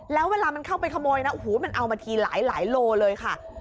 แล้วเวลามันเข้าไปขโมยมันเอามาทีหลายลวร์เลยค่ะ